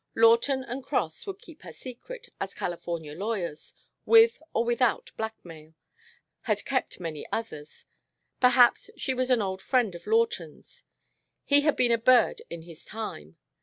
Lawton and Cross would keep her secret, as California lawyers, with or without blackmail, had kept many others; perhaps she was an old friend of Lawton's. He had been a "bird" in his time.